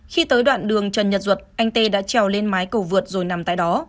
khi tới đoạn đường trần nhật duật anh tê đã trèo lên mái cầu vượt rồi nằm tại đó